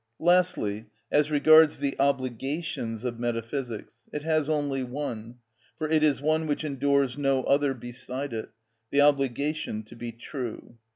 Lastly, as regards the obligations of metaphysics, it has only one; for it is one which endures no other beside it—the obligation to be true.